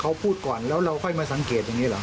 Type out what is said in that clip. เขาพูดก่อนแล้วเราค่อยมาสังเกตอย่างนี้เหรอ